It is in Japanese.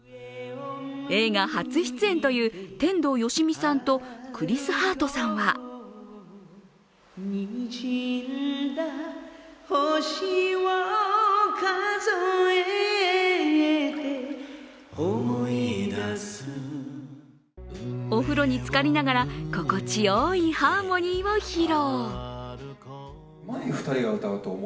映画初出演という天童よしみさんとクリス・ハートさんはお風呂につかりながら心地よいハーモニーを披露。